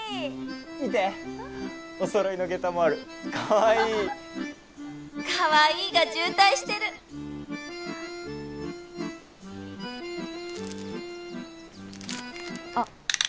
見てお揃いのげたもあるかわいいかわいいが渋滞してるあっ